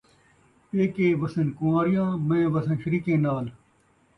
پیکے وسن کنواریاں، میں وساں شریکیں نال